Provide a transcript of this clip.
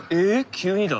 急にだ。